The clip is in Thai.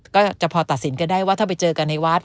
ก็จะพอตัดสินกันได้ว่าถ้าไปเจอกันในวัด